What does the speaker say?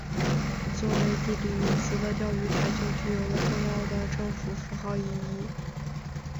作为地理名词的钓鱼台就具有了重要的政治符号意义。